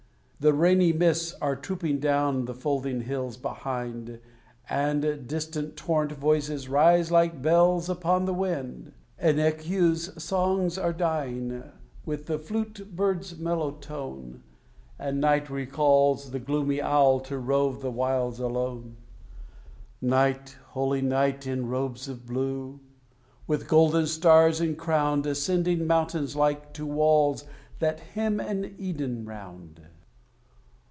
The rainy mists are trooping down the folding hills behind, And distant torrent voices rise like bells upon the wind. The echeu's* songs are dying, with the flute bird's mellow tone, And night recalls the gloomy owl to rove the wilds alone; Night, holy night, in robes of blue, with golden stars encrowned, Ascending mountains like to walls that hem an Eden round. * The rufous breasted thickhead.